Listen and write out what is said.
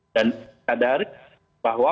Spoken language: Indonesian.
dan sadari bahwa